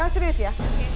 jangan serius ya